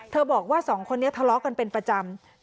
บอกว่าสองคนนี้ทะเลาะกันเป็นประจำ